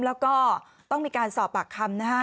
แล้วก็ต้องมีการสอบปากคำนะฮะ